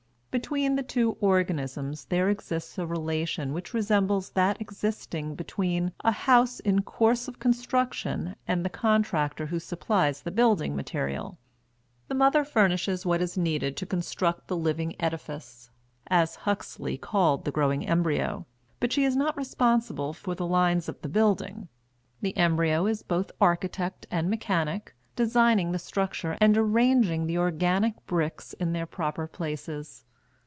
Between the two organisms there exists a relation which resembles that existing between a house in course of construction and the contractor who supplies the building material. The mother furnishes what is needed to construct the "living edifice," as Huxley called the growing embryo, but she is not responsible for the lines of the building. The embryo is both architect and mechanic, designing the structure and arranging the "organic bricks" in their proper places.